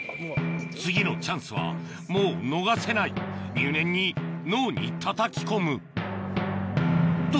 次のチャンスはもう逃せない入念に脳にたたき込むと